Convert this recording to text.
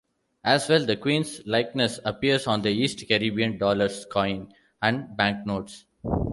As well, the Queen's likeness appears on the East Caribbean dollar's coins and banknotes.